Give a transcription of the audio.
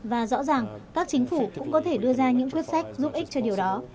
và rõ ràng các chính phủ cũng có thể đưa ra những quyết sách giúp ích cho điều đó